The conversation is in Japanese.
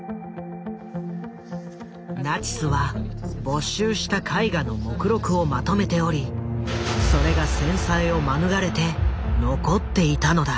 ナチスは没収した絵画の目録をまとめておりそれが戦災を免れて残っていたのだ。